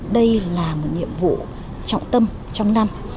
đây là một nhiệm vụ trọng tâm trong năm